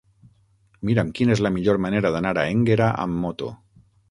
Mira'm quina és la millor manera d'anar a Énguera amb moto.